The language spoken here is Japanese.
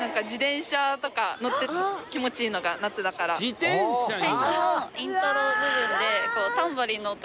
自転車に。